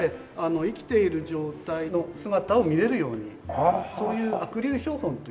生きている状態の姿を見れるようにそういうアクリル標本というものです。